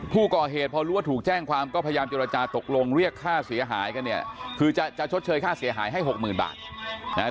ผู้ก่อเหตุพอรู้ว่าถูกแจ้งความก็พยายามเจรจาตกลงเรียกค่าเสียหายกันเนี่ยคือจะจะชดเชยค่าเสียหายให้หกหมื่นบาทนะฮะ